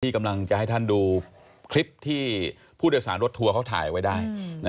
กำลังจะให้ท่านดูคลิปที่ผู้โดยสารรถทัวร์เขาถ่ายไว้ได้